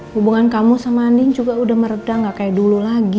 hubungan kamu sama andin juga udah meredah gak kayak dulu lagi